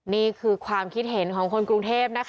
นี่คือความคิดเห็นของคนกรุงเทพนะคะ